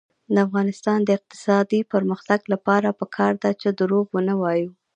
د افغانستان د اقتصادي پرمختګ لپاره پکار ده چې دروغ ونه وایو.